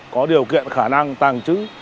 có điều kiện khả năng tàng trữ